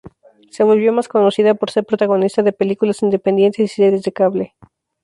Se volvió más conocida por ser protagonista de películas independientes y series de cable.